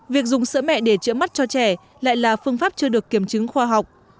việc dùng sữa mẹ để chữa mắt cho trẻ lại là phương pháp chưa được kiểm chứng khoa học